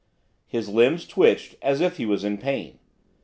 His limbs twitched, as if he was in pain.